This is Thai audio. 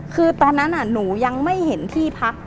คือตอนนั้นหนูยังไม่เห็นที่พัก